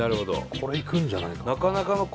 これいくんじゃないかな。